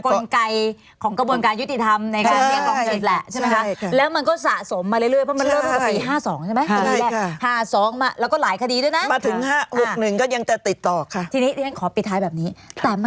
กลไกของกระบวนการยุติธรรมในการเรียกร้องสิทธิ์แหละใช่ไหมคะ